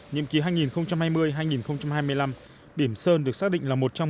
nhiệm ký hai nghìn hai mươi hai nghìn hai mươi năm biểm sơn được xác định là một trong